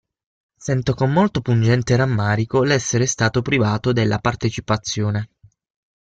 Sento con molto pungente rammarico l'essere stato privato della partecipazione.